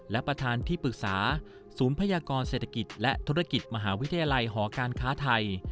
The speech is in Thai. และประธานที่ปรึกษาศูนย์พยากรเศรษฐกิจและธุรกิจมหาวิทยาลัยหอการค้าไทย